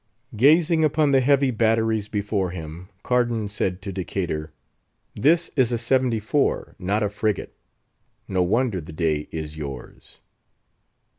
Gazing upon the heavy batteries before him, Cardan said to Decatur, "This is a seventy four, not a frigate; no wonder the day is yours!"